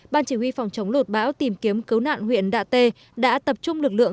ban chỉ huy phòng chống lột bão tìm kiếm cứu nạn huyện đạ tê đã tập trung lực lượng